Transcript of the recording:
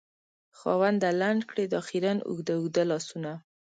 خاونده! لنډ کړې دا خیرن اوږده اوږده لاسونه